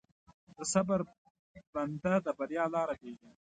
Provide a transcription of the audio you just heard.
د صبر بنده، د بریا لاره پېژني.